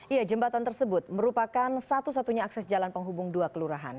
iya jembatan tersebut merupakan satu satunya akses jalan penghubung dua kelurahan